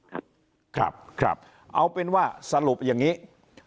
ครับครับเอาเป็นว่าสรุปอย่างนี้